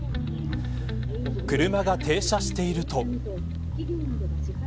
車が停車していると。